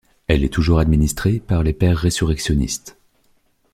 Elle est toujours administrée par les pères résurrectionnistes.